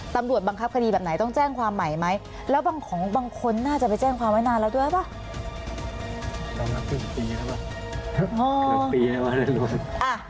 บังคับคดีแบบไหนต้องแจ้งความใหม่ไหมแล้วบางคนน่าจะไปแจ้งความไว้นานแล้วด้วยป่ะ